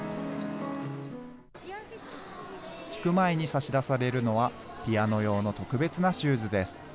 弾く前に差し出されるのは、ピアノ用の特別なシューズです。